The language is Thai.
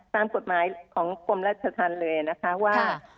ตามกฎหมายของกรมราชธรรมเลยนะคะว่า